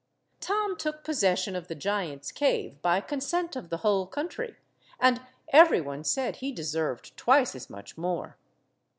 Tom took possession of the giant's cave by consent of the whole country, and every one said he deserved twice as much more.